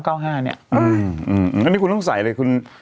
อืมอืมอืมอันนี้คุณต้องใส่เลยคุณ